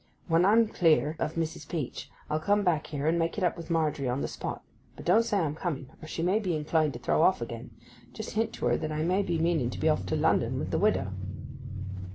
When I'm clear of Mrs. Peach I'll come back here and make it up with Margery on the spot. But don't say I'm coming, or she may be inclined to throw off again. Just hint to her that I may be meaning to be off to London with the widow.